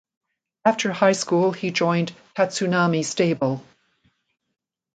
After high school he joined Tatsunami stable.